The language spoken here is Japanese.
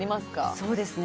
そうですね